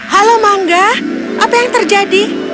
halo mangga apa yang terjadi